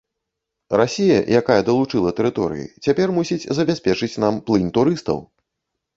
Расія, якая далучыла тэрыторыі, цяпер мусіць забяспечыць нам плынь турыстаў.